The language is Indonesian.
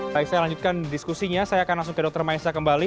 baik saya lanjutkan diskusinya saya akan langsung ke dr maesa kembali